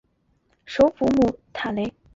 首府穆塔雷。